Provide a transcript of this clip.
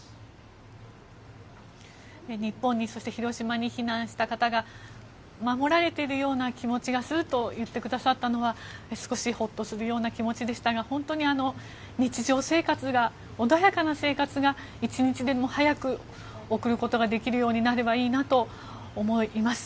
日本にそして広島に避難した方が守られているような気持ちがすると言ってくださったのは少しホッとするような気持ちでしたが本当に、日常生活穏やかな生活を一日でも早く送ることができるようになればいいなと思います。